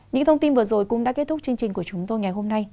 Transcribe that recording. những thông tin vừa rồi cũng đã kết thúc chương trình của chúng tôi ngày hôm nay